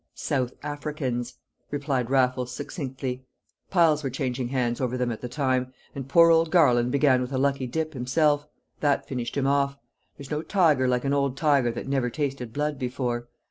"South Africans!" replied Raffles succinctly. "Piles were changing hands over them at the time, and poor old Garland began with a lucky dip himself; that finished him off. There's no tiger like an old tiger that never tasted blood before.